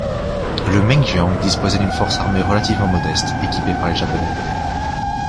Le Mengjiang disposait d'une force armée relativement modeste, équipée par les Japonais.